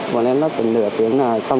bọn em lắp tầm nửa tiếng là xong